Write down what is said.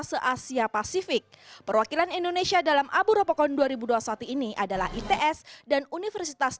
se asia pasifik perwakilan indonesia dalam abu ropocon dua ribu dua puluh satu ini adalah its dan universitas